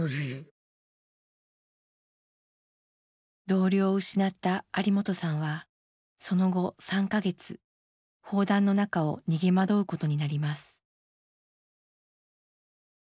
同僚を失った有元さんはその後３か月砲弾の中を逃げ惑うことになります。